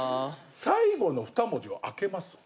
最後の２文字を開けます。